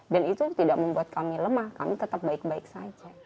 dan itu tidak membuat kami lemah kami tetap baik baik saja